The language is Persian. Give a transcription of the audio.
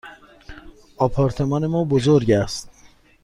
آپارتمان ما بزرگ است.